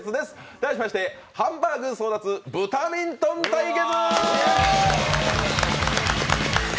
題しまして「ハンバーグ争奪！ブタミントン対決！」